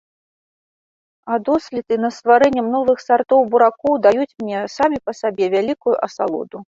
А доследы над стварэннем новых сартоў буракоў даюць мне самі па сабе вялікую асалоду.